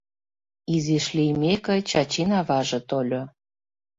Изиш лиймеке, Чачин аваже тольо.